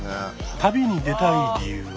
旅に出たい理由は？